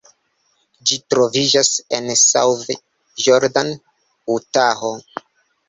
Ĝi troviĝas en South Jordan, Utaho.